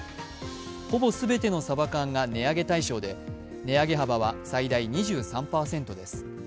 ほぼ全てのサバ缶が値上げ対象で、値上げ幅は最大２３％です。